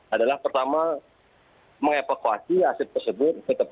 adalah pertama mengepakuasi arsip pesulap